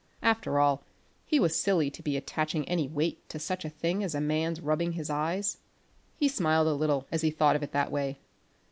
After all he was silly to be attaching any weight to such a thing as a man's rubbing his eyes. He smiled a little as he thought of it that way.